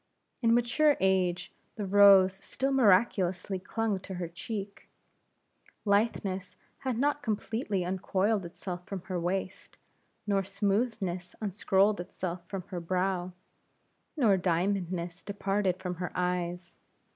In mature age, the rose still miraculously clung to her cheek; litheness had not yet completely uncoiled itself from her waist, nor smoothness unscrolled itself from her brow, nor diamondness departed from her eyes.